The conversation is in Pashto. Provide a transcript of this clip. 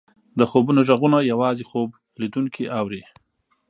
د خوبونو ږغونه یوازې خوب لیدونکی اوري.